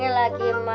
cepat di kerja